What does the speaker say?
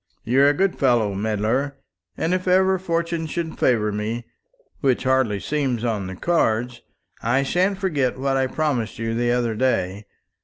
"You're a good fellow, Medler; and if ever fortune should favour me, which hardly seems on the cards, I sha'n't forget what I promised you the other day.